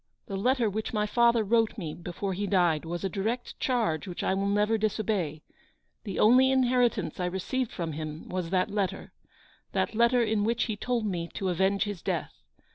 "The letter which my father wrote me before he died was a direct charge which I will never disobey. The only inheritance I received from him was that 234 letter; that letter in which he told me to avenge his death.